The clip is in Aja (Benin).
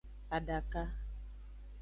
Adaka.